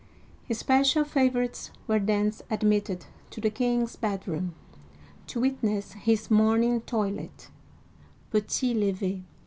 Special favorites were thence admitted to the king's bedroom, to witness his morning toilet {petit lever).